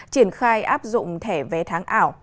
triển khai áp dụng thẻ vé tháng ảo